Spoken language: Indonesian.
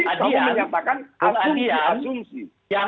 kamu menyatakan asumsi asumsi